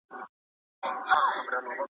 له نیکه مي زر نکلونه اورېدلي